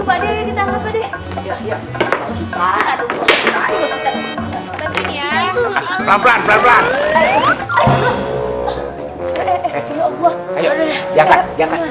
aduh pak aja kita angkat laatan